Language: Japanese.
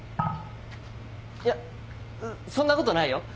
いやそんなことないよ。